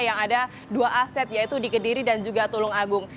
yang ada dua aset yaitu di kediri dan juga tulung agung